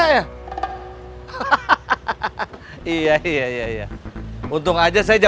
duluan ya ceng